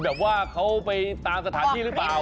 แบบว่าเขาไปตามสถานที่หรือเปล่า